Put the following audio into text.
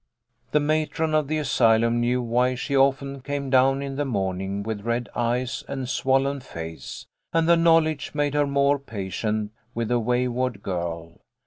The matron of the asylum knew why she often came down in the morning with red eyes and swollen face, and the knowledge made her more patient with the wayward girl.